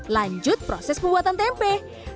lanjut proses pembuatan tempe